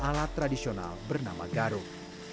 dan alat tradisional bernama garum